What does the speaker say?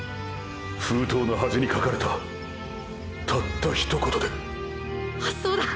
封筒のはじに書かれたたった一言で⁉そうだ！